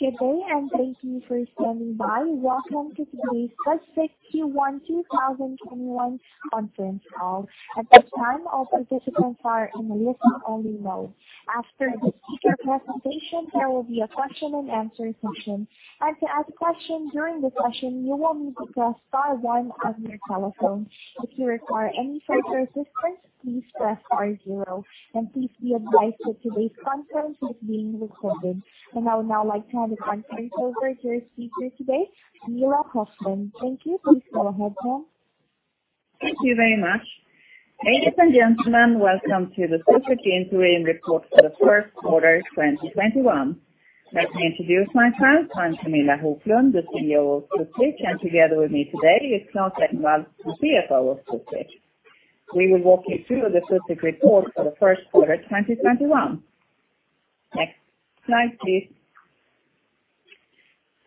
Good day and thank you for standing by. Welcome to today's Studsvik Q1 2021 conference call. At this time, all participants are in listen only mode. After the speaker presentation, there will be a Q&A session. Please be advised that today's conference is being recorded. I would now like to hand the conference over to our speaker today, Camilla Hoflund. Thank you. Please go ahead, Cam. Thank you very much. Ladies and gentlemen, welcome to the Studsvik interim report for the first quarter 2021. Let me introduce myself. I'm Camilla Hoflund, the CEO of Studsvik, and together with me today is Claes Engvall, CFO of Studsvik. We will walk you through the Studsvik report for the first quarter 2021. Next slide, please.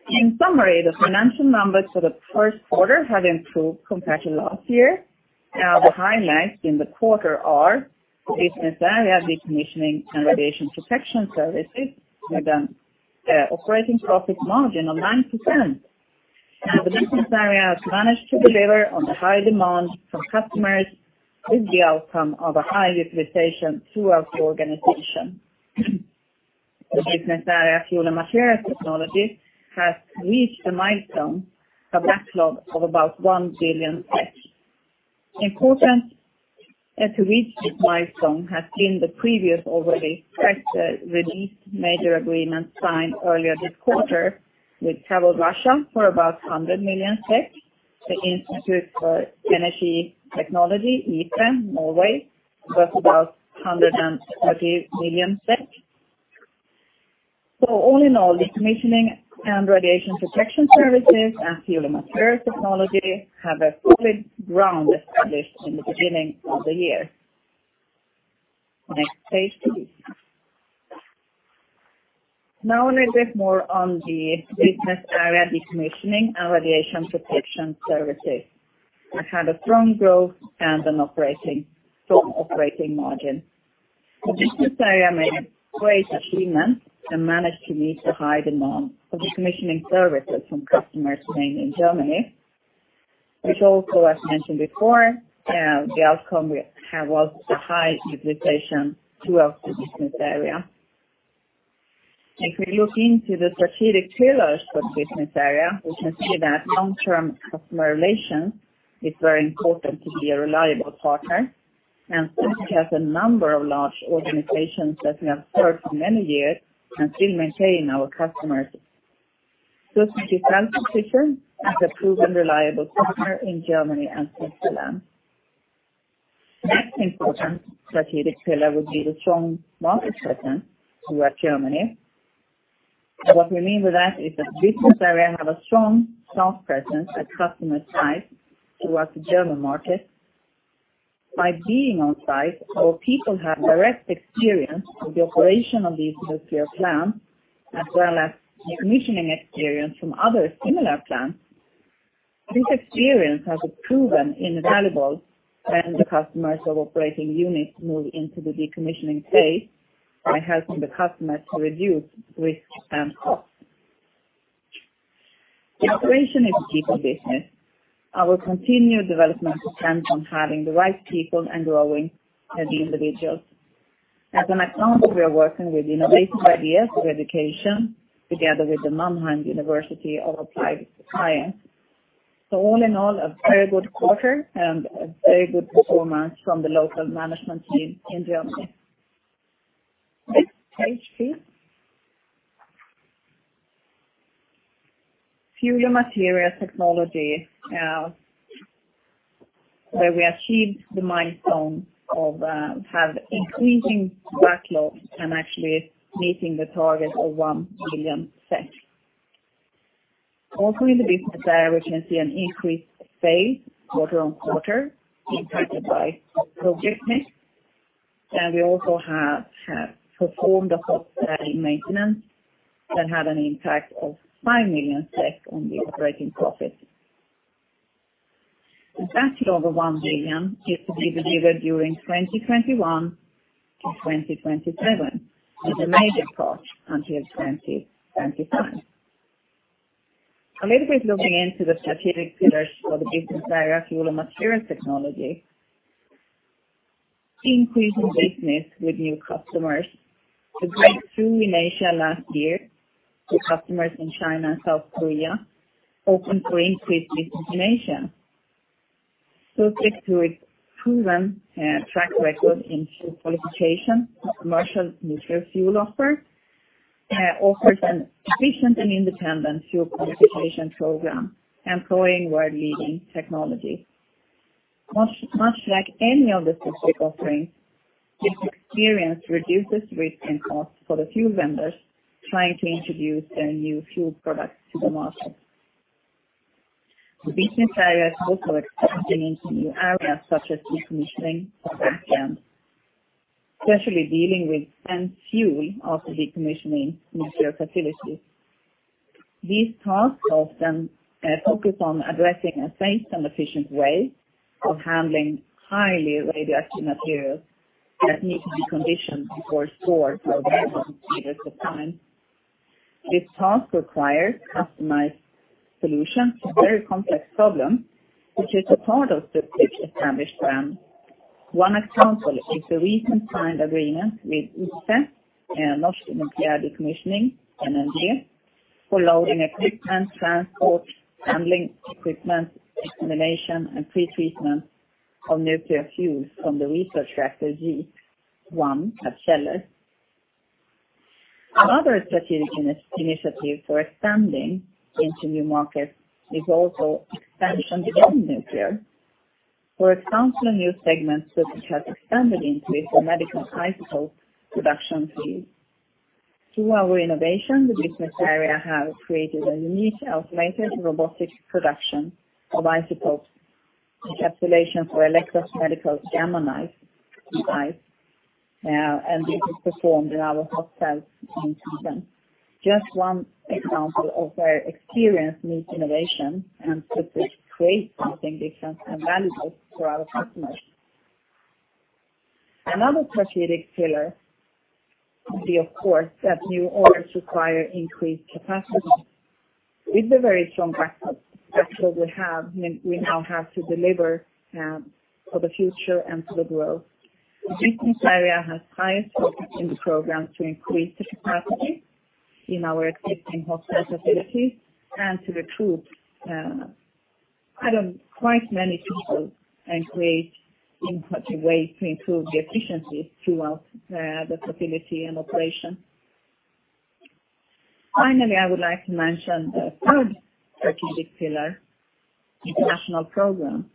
In summary, the financial numbers for the first quarter have improved compared to last year. Now the highlights in the quarter are, business area Decommissioning & Radiation Protection Services with an operating profit margin of 9%. Now the business area has managed to deliver on the high demand from customers with the outcome of a high utilization throughout the organization. The business area, Fuel and Materials Technology, has reached a milestone, a backlog of about 1 billion. Important to reach this milestone has been the previous already released major agreements signed earlier this quarter with TVEL Russia for about 100 million. The Institute for Energy Technology, IFE, Norway, worth about 130 million. All in all, Decommissioning & Radiation Protection Services and Fuel and Materials Technology have a solid ground established in the beginning of the year. Next page, please. A little bit more on the business area Decommissioning & Radiation Protection Services, which had a strong growth and a strong operating margin. The business area made a great achievement and managed to meet the high demand for decommissioning services from customers, mainly in Germany, which also, as mentioned before, the outcome was a high utilization throughout the business area. If we look into the strategic pillars for this business area, we can see that long-term customer relations is very important to be a reliable partner. Studsvik has a number of large organizations that we have served for many years and still maintain our customers. Studsvik is well-positioned as a proven reliable partner in Germany and Finland. Next important strategic pillar would be the strong market presence throughout Germany. What we mean with that is that this business area have a strong staff presence at customer site throughout the German market. By being on site, our people have direct experience with the operation of these nuclear plants, as well as decommissioning experience from other similar plants. This experience has proven invaluable when the customers of operating units move into the decommissioning phase by helping the customers to reduce risk and costs. The operation is a people business. Our continued development depends on having the right people and growing as individuals. As an example, we are working with innovative ideas for education together with the Mannheim University of Applied Sciences. All in all, a very good quarter and a very good performance from the local management team in Germany. Next page, please. Fuel and Materials Technology, where we achieved the milestone of have increasing backlog and actually meeting the target of 1 billion. Also in the business area, we can see an increased sales quarter-on-quarter impacted by project mix. We also have performed a hot cell maintenance that had an impact of 5 million SEK on the operating profit. The backlog of 1 billion is to be delivered during 2021-2027, with the major part until 2025. A little bit looking into the strategic pillars for the business area, Fuel and Materials Technology. Increasing business with new customers. The breakthrough in Asia last year with customers in China and South Korea opened for increased business in Asia. Studsvik, through its proven track record in fuel qualification for commercial nuclear fuel offers an efficient and independent fuel qualification program employing world-leading technology. Much like any other Studsvik offering, this experience reduces risk and cost for the fuel vendors trying to introduce their new fuel products to the market. The business area is also expanding into new areas such as decommissioning of backends, especially dealing with spent fuel of the decommissioning nuclear facilities. These tasks often focus on addressing a safe and efficient way of handling highly radioactive materials that need to be conditioned before stored for very long periods of time. This task requires customized solutions to very complex problems, which is a part of Studsvik's established brand. One example is the recent signed agreement with IFE, Norwegian Nuclear Decommissioning, NND, for loading equipment, transport, handling equipment, examination, and pretreatment of nuclear fuels from the research reactor JEEP I at Kjeller. Another strategic initiative for expanding into new markets is also expansion beyond nuclear. For example, a new segment Studsvik has expanded into is the medical isotope production field. Through our innovation, the business area have created a unique automated robotic production of isotope encapsulation for Elekta's medical Leksell Gamma Knife device. This is performed in our hot cells in Sweden. Just one example of where experience meets innovation. Studsvik creates something different and valuable for our customers. Another strategic pillar would be, of course, that new orders require increased capacity. With the very strong backlog that we have, we now have to deliver for the future and for the growth. The business area has high focus in the program to increase the capacity in our existing hot cell facilities and to recruit quite many people and create impactful ways to improve the efficiency throughout the facility and operation. Finally, I would like to mention the third strategic pillar, international programs.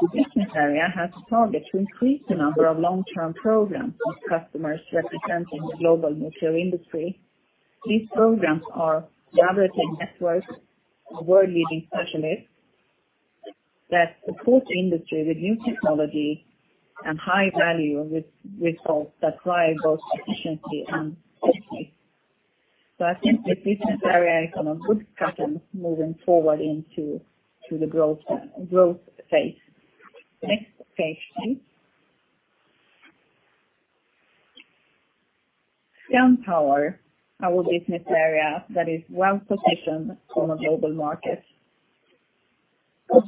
The business area has a target to increase the number of long-term programs with customers representing the global nuclear industry. These programs are collaborative networks of world-leading specialists that support industry with new technology and high-value results that drive both efficiency and safety. I think the business area is on a good pattern moving forward into the growth phase. Next page, please. Scandpower, our business area that is well-positioned on a global market.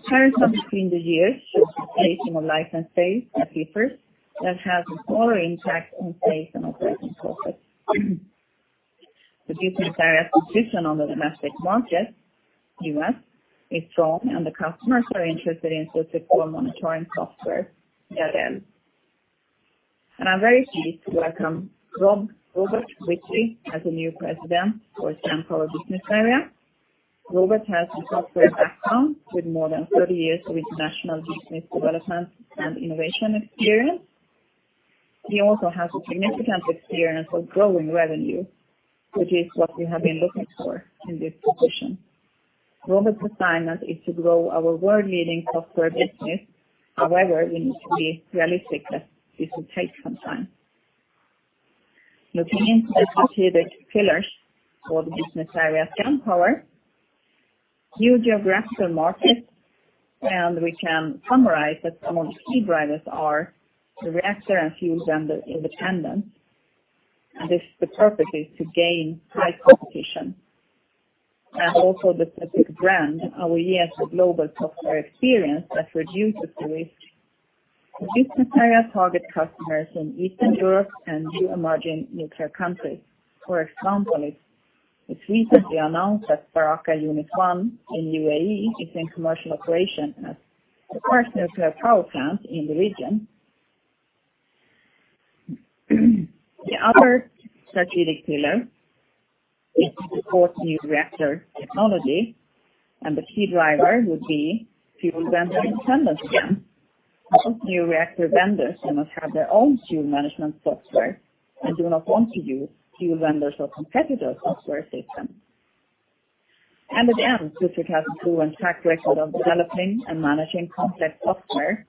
Patterns have between the years showed extension of license fees at EPRs that has a smaller impact on safe and operating topics. The business area's position on the domestic market, U.S., is strong, the customers are interested in Studsvik's core monitoring software, SLM. I'm very pleased to welcome Robert Ritchie as the new president for Scandpower business area. Robert has a software background with more than 30 years of international business development and innovation experience. He also has a significant experience with growing revenue, which is what we have been looking for in this position. Robert's assignment is to grow our world-leading software business. However, we need to be realistic that this will take some time. Looking into the strategic pillars for the business area Scandpower, new geographical markets. We can summarize that some of the key drivers are the reactor and fuel vendor independence. The purpose is to gain high competition. Also the Studsvik brand, our years of global software experience that reduces the risk. The business area target customers in Eastern Europe and new emerging nuclear countries. For example, it's recently announced that Barakah Unit 1 in UAE is in commercial operation as the first nuclear power plant in the region. The other strategic pillar is support new reactor technology. The key driver would be fuel vendor independence again. Most new reactor vendors do not have their own fuel management software and do not want to use fuel vendors or competitor software systems. Studsvik has a proven track record of developing and managing complex software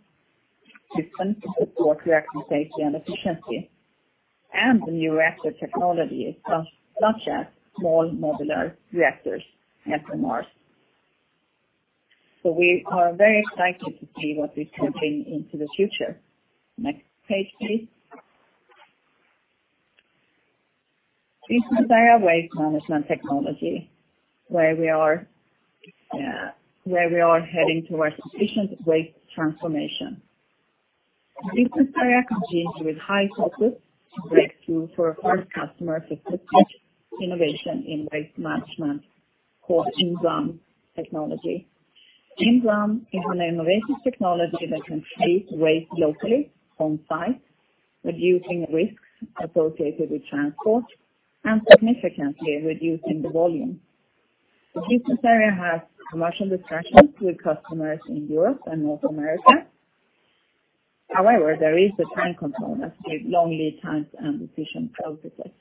systems to support reactor safety and efficiency, and new reactor technology, such as small modular reactors, SMRs. We are very excited to see what this can bring into the future. Next page, please. Business area Waste Management Technology, where we are heading towards efficient waste transformation. The business area continues with high focus to break through for our first customer, Studsvik's innovation in waste management, called inDRUM technology. inDRUM is an innovative technology that can treat waste locally on-site, reducing risks associated with transport and significantly reducing the volume. The business area has commercial discussions with customers in Europe and North America. There is a time component with long lead times and decision processes.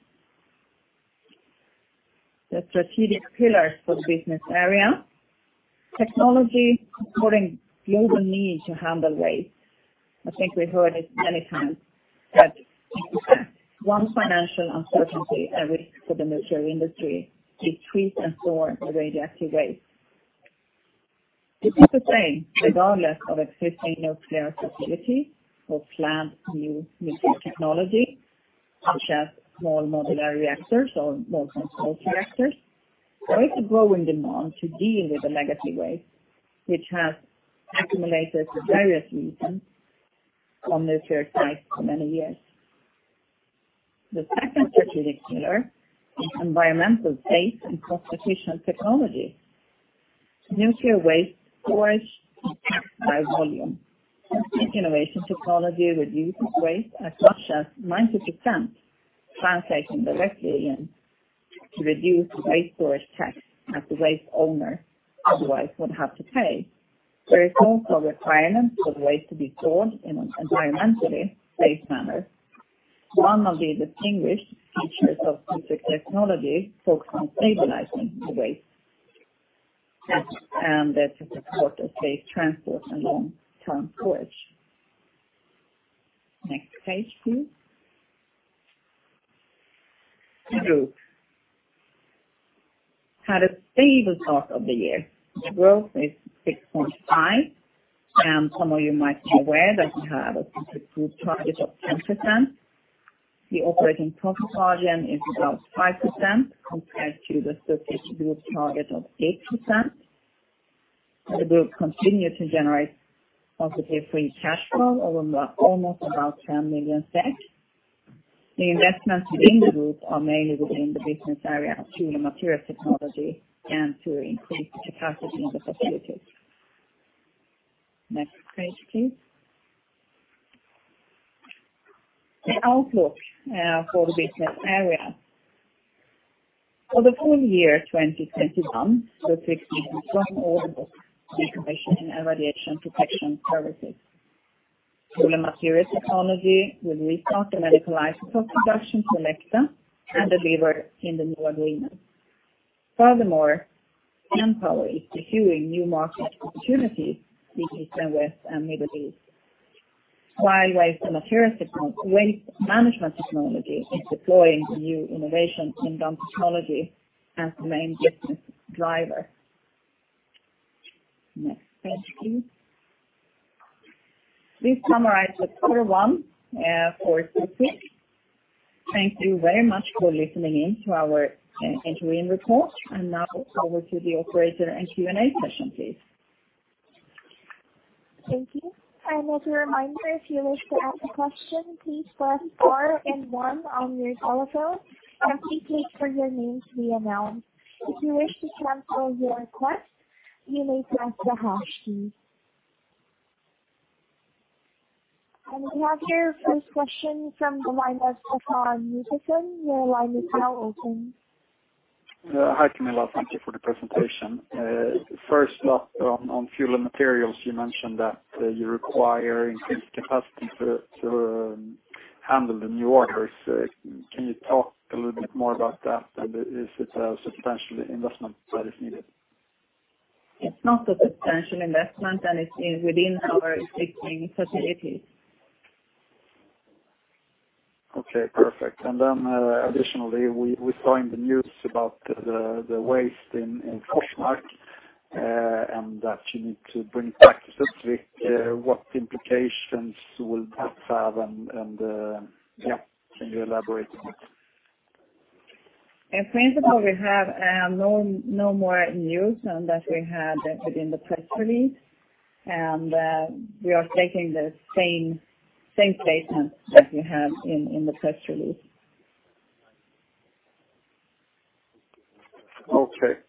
The strategic pillars for the business area. Technology supporting global need to handle waste. I think we've heard it many times, that one financial uncertainty and risk for the nuclear industry is treat and store radioactive waste. This is the same regardless of existing nuclear facility or planned new nuclear technology, such as small modular reactors or molten salt reactors. There is a growing demand to deal with the legacy waste, which has accumulated for various reasons on nuclear sites for many years. The second strategic pillar is environmental safe and cost-efficient technology. Nuclear waste storage is high volume. Studsvik innovation technology reduces waste as much as 90%, translating directly into reduced waste storage costs that the waste owner otherwise would have to pay. There is also requirements for the waste to be stored in an environmentally safe manner. One of the distinguished features of Studsvik technology focus on stabilizing the waste, and that support a safe transport and long-term storage. Next page, please. The group had a stable start of the year. Growth is 6.5%, some of you might be aware that we have a group target of 10%. The operating profit margin is about 5% compared to the strategic group target of 8%. The group continued to generate positive free cash flow of almost about 10 million SEK. The investments within the group are mainly within the business area of Fuel and Materials Technology, and to increase the capacity of the facilities. Next page, please. The outlook, for the business area. For the full year 2021, Studsvik sees strong order book in Decommissioning & Radiation Protection Services. Fuel and Materials Technology will restart the medical isotope production Elekta and deliver in the new agreement. Furthermore, Scandpower is pursuing new market opportunities in Eastern Europe and Middle East. While Waste and Material, Waste Management Technology is deploying new innovation in inDRUM technology as the main business driver. Next page, please. This summarizes Q1 for Studsvik. Thank you very much for listening in to our interim report. Now over to the operator and Q&A session, please. Thank you. As a reminder, if you wish to ask a question, please press star and one on your telephone, and please wait for your name to be announced. If you wish to cancel your request, you may press the hash key. We have here first question from the line of Stefan Knutsson. Your line is now open. Hi, Camilla. Thank you for the presentation. First up on Fuel and Materials, you mentioned that you require increased capacity to handle the new orders. Can you talk a little bit more about that? Is it a substantial investment that is needed? It's not a substantial investment, and it's within our existing facilities. Okay, perfect. Additionally, we saw in the news about the waste in Forsmark, and that you need to bring back Studsvik. What implications will that have and, yeah, can you elaborate on it? In principle, we have no more news than that we had within the press release. We are taking the same statement that we had in the press release. Okay.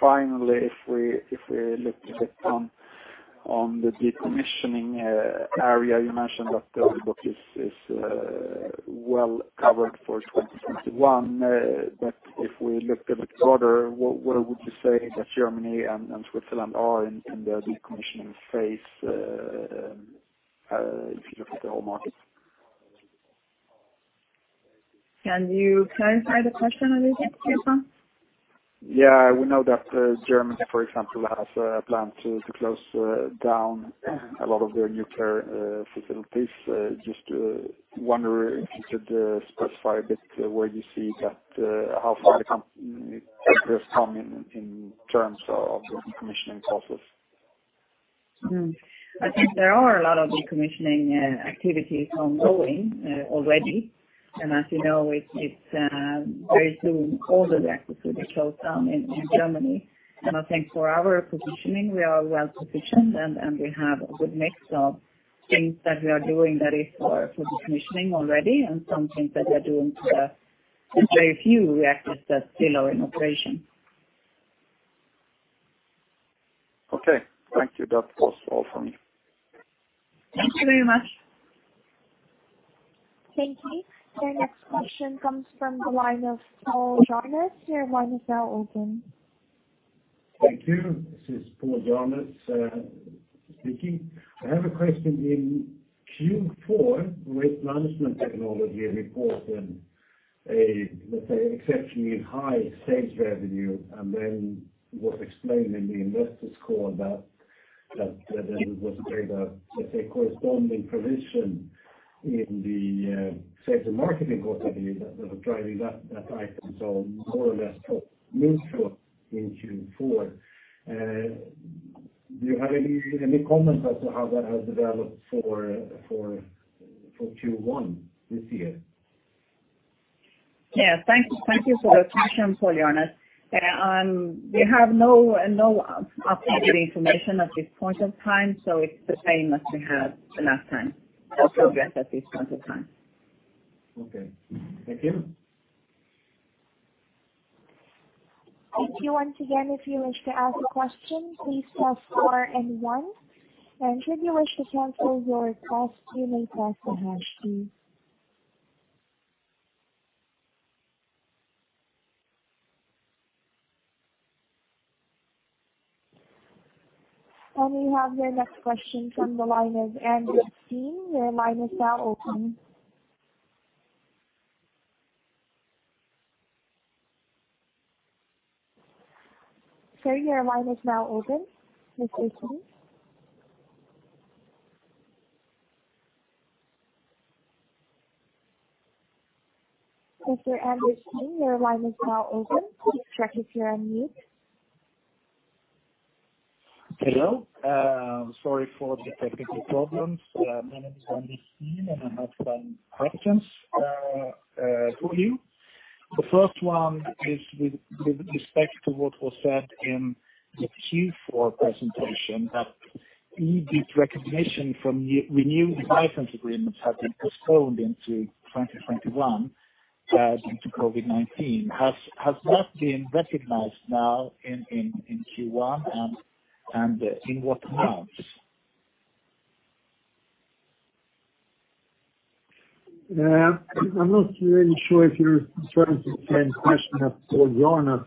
Finally, if we look a bit on the decommissioning area, you mentioned that the order book is well covered for 2021. If we look a bit broader, where would you say that Germany and Switzerland are in the decommissioning phase, if you look at the whole market? Can you clarify the question a little bit, Stefan? Yeah. We know that Germany, for example, has a plan to close down a lot of their nuclear facilities. Just wondering if you could specify a bit where you see that, how far the company has come in terms of the decommissioning process? I think there are a lot of decommissioning activities ongoing already. As you know, it's very soon all the reactors will be closed down in Germany. I think for our positioning, we are well-positioned and we have a good mix of things that we are doing that is for decommissioning already and some things that we are doing for the very few reactors that still are in operation. Okay. Thank you. That was all from me. Thank you very much. Thank you. Your next question comes from the line of Paul Jarvis. Your line is now open. Thank you. This is Paul Jarvis. Speaking. I have a question. In Q4, Waste Management Technology reported, let's say, exceptionally high sales revenue, and then was explained in the investors call that there was a, let's say, corresponding provision in the sales and marketing cost, I believe, that was driving that item. More or less neutral in Q4. Do you have any comments as to how that has developed for Q1 this year? Yes. Thank you for the question, Paul Jarvis. We have no updated information at this point in time. It's the same as we had last time. No progress at this point in time. Okay. Thank you. Thank you. Once again, if you wish to ask a question, please press four and one. Should you wish to cancel your request, you may press the hash key. We have your next question from the line of Anders Steen. Your line is now open. Sir, your line is now open. Mr. Steen. Mr. Anders Steen, your line is now open. Please check if you're unmute. Hello. Sorry for the technical problems. My name is Anders Steen, and I have some questions for you. The first one is with respect to what was said in the Q4 presentation, that revenue recognition from new license agreements have been postponed into 2021 due to COVID-19. Has that been recognized now in Q1, and in what amounts? I'm not really sure if you're referring to the same question as Paul Jarvis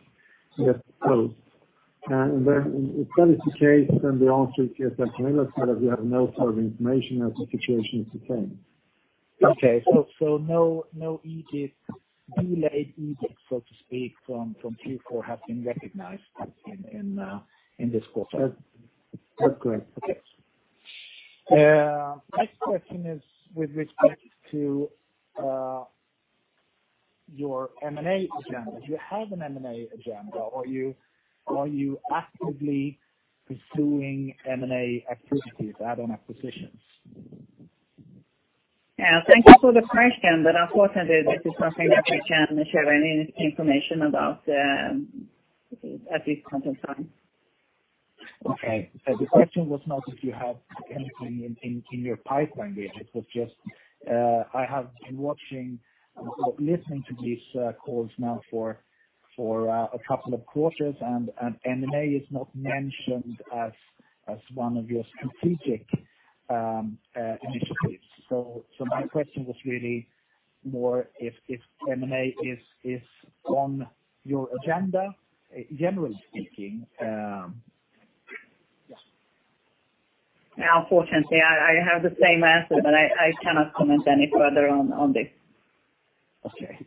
just posed. If that is the case, the answer is as Camilla Hoflund said, that we have no further information as the situation is the same. Okay. No delayed revenue, so to speak, from Q4 have been recognized in this quarter? That's correct. Okay. Next question is with respect to your M&A agenda. Do you have an M&A agenda, or are you actively pursuing M&A activities, add-on acquisitions? Thank you for the question, but unfortunately, this is not something that we can share any information about at this point in time. Okay. The question was not if you have anything in your pipeline yet. I have been listening to these calls now for a couple of quarters, and M&A is not mentioned as one of your strategic initiatives. My question was really more if M&A is on your agenda, generally speaking. Unfortunately, I have the same answer, but I cannot comment any further on this. Okay.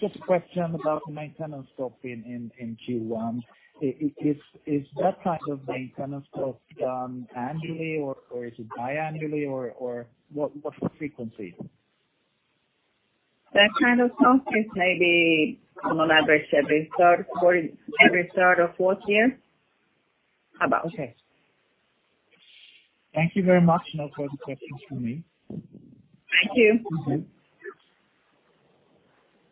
Just a question about the maintenance stop in Q1. Is that type of maintenance stop done annually, or is it biannually, or what's the frequency? That kind of stop is maybe on average every third or fourth year, about. Okay. Thank you very much. No further questions from me. Thank you.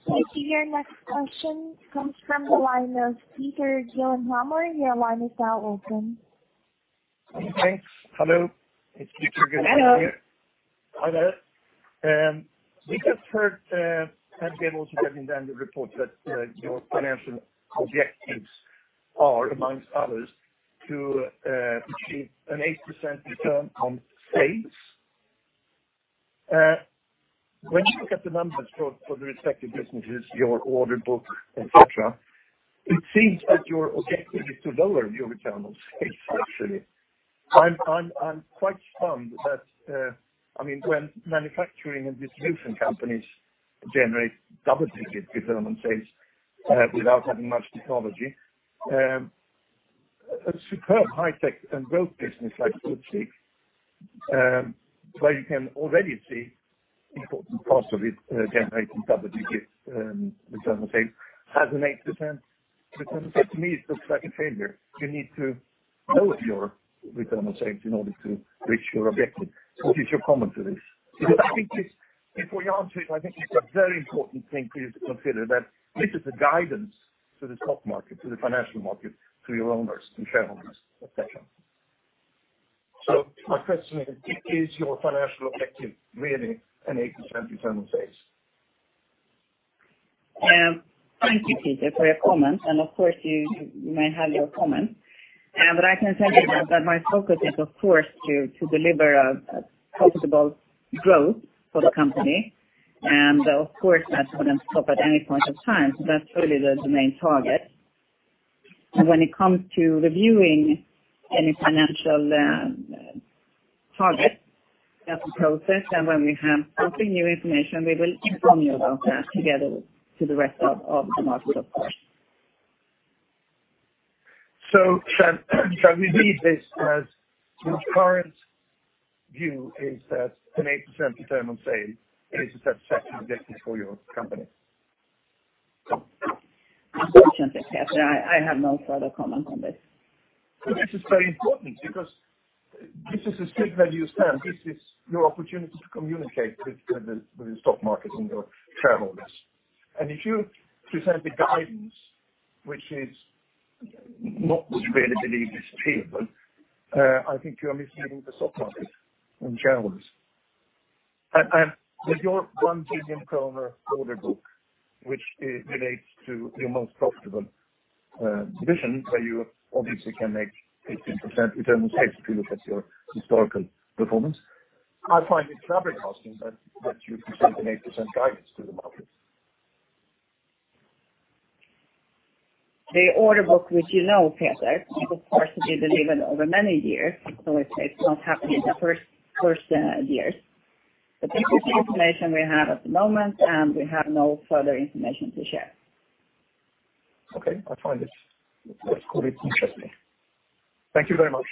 Thank you. Your next question comes from the line of Peter Gyllenhammar. Your line is now open. Okay. Hello, it's Peter Gyllenhammar here. Hello. Hi there. We just heard, Camilla Hoflund, also read in the annual report that your financial objectives are, among others, to achieve an 8% return on sales. When you look at the numbers for the respective businesses, your order book, etc., it seems that your objective is to lower your return on sales, actually. I'm quite stunned that when manufacturing and distribution companies generate double-digit return on sales without having much technology, a superb high-tech and growth business like Studsvik, where you can already see important parts of it generating double-digit return on sales, has an 8% return. To me, it looks like a failure. You need to lower your return on sales in order to reach your objective. What is your comment to this? I think before you answer it, I think it's a very important thing for you to consider that this is a guidance to the stock market, to the financial market, to your owners and shareholders, et cetera. My question is your financial objective really an 8% return on sales? Thank you, Peter, for your comment, and of course, you may have your comment. I can tell you that my focus is, of course, to deliver a profitable growth for the company. Of course, that's not going to stop at any point of time. That's really the main target. When it comes to reviewing any financial target, that's a process, and when we have something, new information, we will inform you about that together to the rest of the market, of course. Shall we read this as your current view is that an 8% return on sales is a satisfactory objective for your company? Unfortunately, Peter, I have no further comment on this. This is very important because this is a statement you stand. This is your opportunity to communicate with the stock market and your shareholders. If you present the guidance, which is not what we really believe is achievable, I think you are misleading the stock market and shareholders. With your 1 billion kronor order book, which relates to your most profitable division, where you obviously can make 15% return on sales if you look at your historical performance, I find it flabbergasting that you present an 8% guidance to the market. The order book, which you know, Peter, is of course, to be delivered over many years. It's not happening in the first years. This is the information we have at the moment, and we have no further information to share. Okay. I find this, of course, could be interesting. Thank you very much.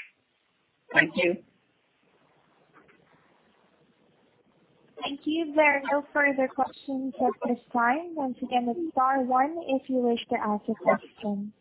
Thank you. Thank you. There are no further questions at this time. Once again, it's star one if you wish to ask a question.